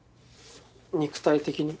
肉体的に？